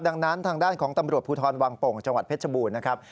ดังนั้นทางด้านของตำรวจภูทรวังโป่งจังหวัดเพชรบูรณ์นะครับ